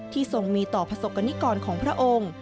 ทรงมีต่อประสบกรณิกรของพระองค์